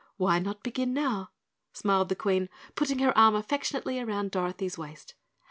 "Why not begin now?" smiled the Queen, putting her arm affectionately round Dorothy's waist.